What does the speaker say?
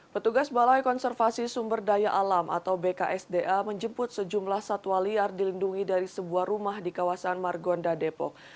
petugas balai konservasi sumber daya alam atau bksda menjemput sejumlah satwa liar dilindungi dari sebuah rumah di kawasan margonda depok